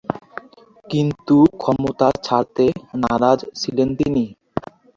কিন্তু ক্ষমতা ছাড়তে নারাজ ছিলেন তিনি।